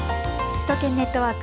首都圏ネットワーク。